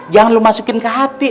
jangan lo masukin ke hati